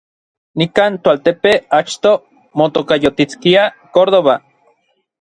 Nikan toaltepe achto motokayotiskia Córdoba.